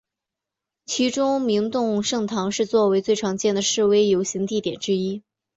其中明洞圣堂是作为最常见的示威游行地点之一。